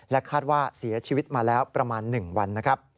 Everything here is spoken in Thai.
และคาดว่าเสียชีวิตมาแล้วประมาณ๑วัน